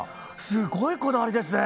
すごいこだわりですね！